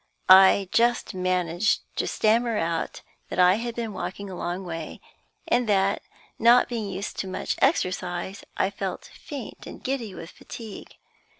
I just managed to stammer out that I had been walking a long way, and that, not being used to much exercise, I felt faint and giddy with fatigue.